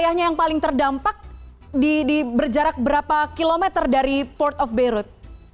tidak hanya yang paling terdampak di berjarak berapa kilometer dari port of beirut